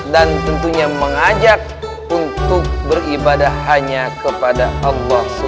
dan tentunya mengajak untuk beribadah hanya kepada allah swt